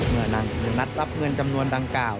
เมื่อนางจินตนัดรับเงินจำนวนดังกาว